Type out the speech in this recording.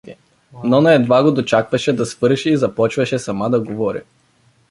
Нона едва го дочакваше да свърши и започваше сама да говори.